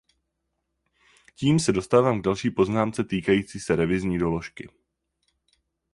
Tím se dostávám k další poznámce týkající se revizní doložky.